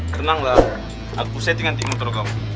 tenang lah aku setting nanti motor kamu